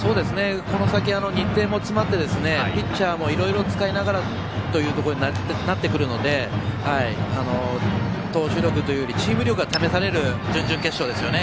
この先日程も詰まってピッチャーもいろいろ使いながらというふうになってくるので投手力というよりチーム力が試される準々決勝ですよね。